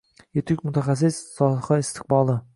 Yetuk mutaxassis – soha istiqboli